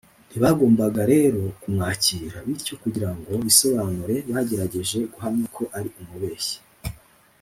ntibagombaga rero kumwakira, bityo kugira ngo bisobanure bagerageje guhamya ko ari umubeshyi